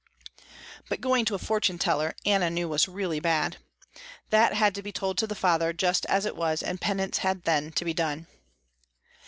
But going to a fortune teller Anna knew was really bad. That had to be told to the father just as it was and penance had then to be done.